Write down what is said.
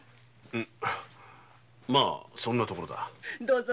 まあそんなところだ。